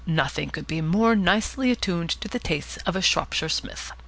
Nothing could be more nicely attuned to the tastes of a Shropshire Psmith.